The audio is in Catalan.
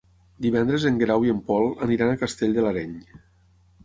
Divendres en Guerau i en Pol aniran a Castell de l'Areny.